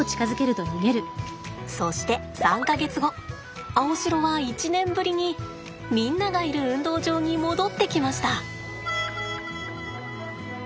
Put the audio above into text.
そして３か月後アオシロは１年ぶりにみんながいる運動場に戻ってきました。